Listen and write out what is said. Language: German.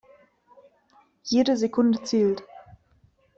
Jede Sekunde zählt.